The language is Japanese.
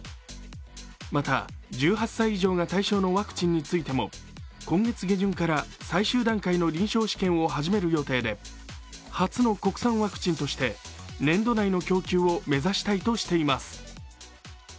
また１８歳以上が対象のワクチンについても今月下旬から最終段階の臨床試験を始める予定で初の国産ワクチンとして年度内の供給を目指したいとしています。